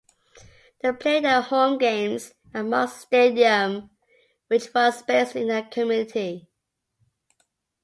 They played their home games at Mark's Stadium, which was based in the community.